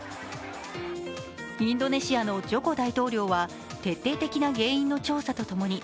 インドネシアのジョコ大統領は、徹底的な原因の調査とともに